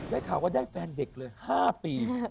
ได้ข่าวว่าได้แฟนเด็กเลย๕ปี